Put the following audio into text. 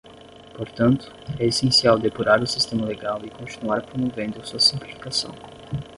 Portanto, é essencial depurar o sistema legal e continuar promovendo sua simplificação.